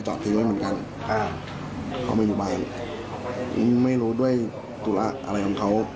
เจาะถือรถเหมือนกันอ่าเขาไม่บ่ายอืมไม่รู้ด้วยตุละอะไรของเขา